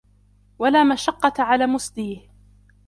وَلَا مَشَقَّةَ عَلَى مُسْدِيهِ